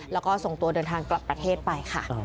แล้วก็ส่งตัวเดินทางกลับประเทศไปค่ะ